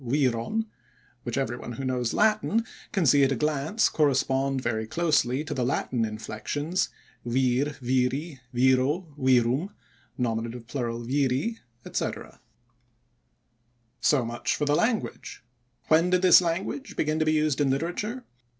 viron, which everyone who knows Latin can see at a glance correspond very closely to the Latin inflections, vir, viri, viro, virum, nom. plur. viri, etc. So much for the language. When did this language begin to be used in literature?